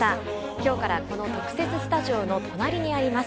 今日から、この特設スタジオの隣にあります